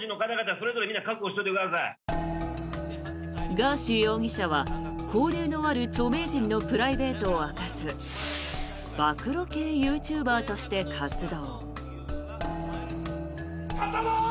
ガーシー容疑者は、交流のある著名人のプライベートを明かす暴露系ユーチューバーとして活動。